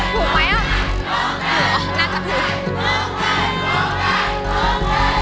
โฟไนโฟไน